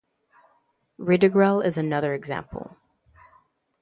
Ridogrel is another example.